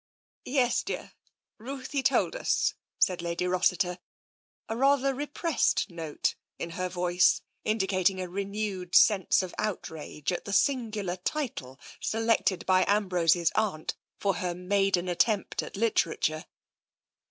"" Yes, dear, Ruthie told us," said Lady Rossiter, a rather repressed note in her voice indicating a renewed sense of outrage at the singular title selected by Am brose's aunt for her maiden attempt at literature.